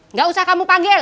nggak usah kamu panggil